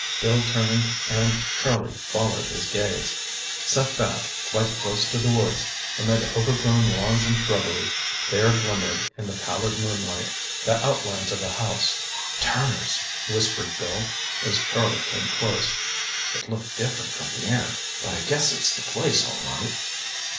Bill turned and Charlie followed his gaze. Set back, quite close to the woods, amid overgrown lawns and shrubbery, there glimmered in the pallid moonlight, the outlines of a house. "Turner's!" whispered Bill as Charlie came close. "It looked different from the air, but I guess it's the place, all right."